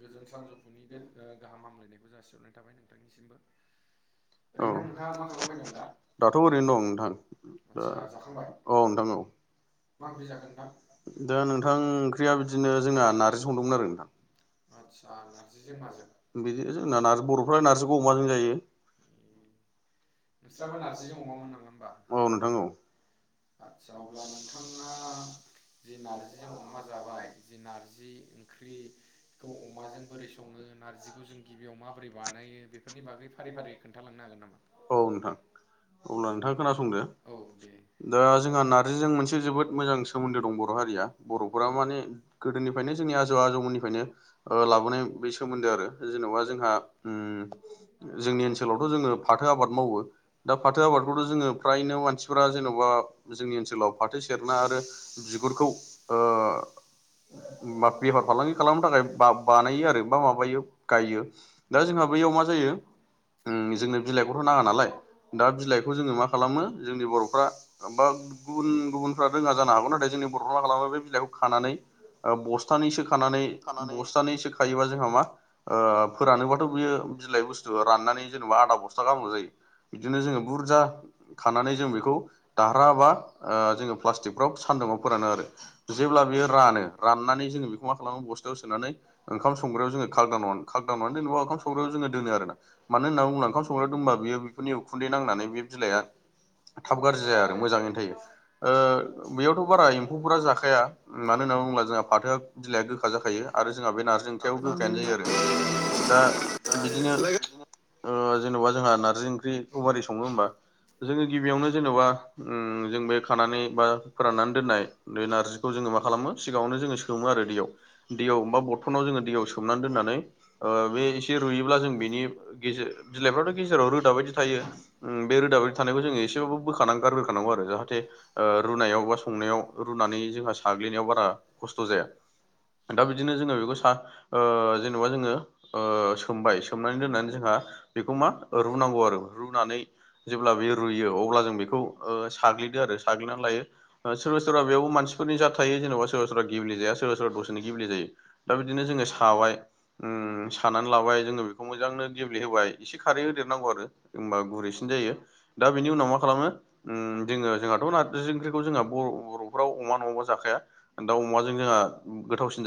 गोजोन सानजौफुनि गाहाम हामलायनायखौ जासिनाय थाबाय नोंथांनिसिमबो औ दाथ' ओरैनो दं नोंथां द औ नोंथां दा नोंथां ओंख्रिया बिदिनो जोंहा नारजि संदोंमोन आरो नोंथां बिदिनो जोंना नारजि बर'फ्रा नार्जिखौ अमाजों जायो औ नोंथां आदसा अब्ला नोंथांङा जि नारजिजों अमा जाबाय जि नार्जि ओंख्रिखौ अमाजों बोरै संङो नार्जिखौ जों गिबियाव माबोरै बानाय बेफोरनि बागै फारि फारि खोन्थाला औ नोंथां अब्ला नोंथांङा खोनासंदो दा जोंहा नारजिजों मोनसे जोबोद मोजां सोमोन्दो दं बर' हारिया बर'फोरा माने गोदोनिफ्रायनो जोंनि आजौ आजौमोननिफ्रायनो लाबोनाय बे सोमोन्दो आरो जेनेबा जोंहा उम जोंनि ओनसोलावथ' जोङो फाथो आबाद मावो दा फाथो आबादखौथ' जोङो फ्रायनो मानसिफोरा जेन'बा जोंनि ओनसोलाव फाथो सेरना आरो बिगुरखौ ओ बा बेफार फालांगि खालामनो थाखाय बा बानायो आरो बा माबायो गायो दा जोंहा बैयाव मा जायो उम जोंनो बिलाइखौथ' नाङा नालाय दा बिलाइखौ जोङो मा खालामो जोंनि बर'फ्रा बा गुबुन गुबुन गुबफ्रा रोङा जानो हागौ नाथाय जोंनि बर'फ्रा खालामो बे बिलाइखौ खानानै बस्थानैसो खानानै बस्थानैसो खायोबा जोंहा ओ मा फोरानोबाथ' बियो बिलाइ बुस्थुखौ राननानै जेनेबा आधा बस्था गाहामल' जायो। बिदिनो जोङो बुरजा खानानै जों बेखौ दारहा बा जोङो प्लास्टिकफ्राव सान दुङाव फोरानो आरो जेब्ला बेयो रानो राननानै जोङो बेखौ मा खालामो बस्थायाव सोनानै ओंख संग्रायाव जोङो खालदानाव खालदानावनानै [unintelligible] जेनेबा ओंखाम संग्रायाव जों जोङो दोनो आरोना मानो होनना बुंङोब्ला ओंखाम संग्रा दंबा बेयो बेफोरनि उखुन्दै नांनानै बे बिलाइआ थाब गाज्रि जाया आरो मोजाङैनो थायो ओ बेयावथ' बारा एम्फौफोरा जाखाया मानो होनना बुङोब्ला जोंहा फाथोआ बिलाइया गोखा जाखायो आरो जोंहा बे नारजि ओंख्रियाबो गोखायानो जायो आरो दा बिदिनो ओ जेनेबा जोंहा नार्जि ओंख्रिखौ मारै सङो होमबा जोङो गिबियावनो जेन'बा उम जों बे खानानै बा फोराननानै दोननाय बे नारजिखौ जों जोङो मा खालामो सिगाङावनो जोङो सोमो आरो दैयाव दैयाबा बरथनाव जोङो दैयाव सोमनानै दोननानै बे एसे रुयोब्ला जों बेनि गेजेर बिलाइफ्राथ' गेजेराव रोदा बायदि थायो बे उम रोदाब बायदि थानायखौ जोङो एसेबाबो बोखानांग गारग्रोखानांगौ आरो जाहाथे ओ रुनायाव बा संनायाव रुनानै जोंहा साग्लि खस्थ' जाया दा बिदिनो जोङो बेखौ सा ओ जेनेबा जोङो ओ सोमबाय सोमनानै दोननानै जोंहा बेखौ मा रुनांगौ आरो रुनानै जेब्ला बे रुयो अब्ला जों बेखौ ओ साग्लिदो आरो साग्लिनानै लायो सोरबा सोरबा बेयाव मानसिफोरनि जा थायो जेनेबा सोरबा सोरबा गेेब्ले जाया सोरबा सोरबा दसेनो गेब्ले जायो। दा बिदिनो जोङो साबाय उम सानानै लाबाय जोङो बेखौ मोजांनो गेब्ले होबाय एसे खारै होदेरनांगौ आरो ओमबा गुरैसिन जायो दा बेनि उनाव मा खालामो उम जोङो जोङा खौ नारजि ओंख्रिखौ जोङा बर बर'फोराव अमा नङाबा जाखाया दाउ अमाजों जोंहा गोथावसिन जायो।